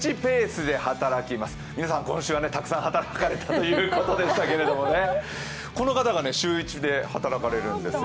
皆さん、今週はたくさん働かれたということでしたけれどもね、この方が週一で働かれるんです。